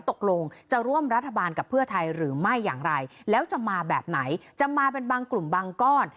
ตกลงจะร่วมรัฐบาลกับเพื่อไทยหรือไม่อย่างไรแล้วจะมาแบบไหนจะมาเป็นบางกลุ่มบางก้อน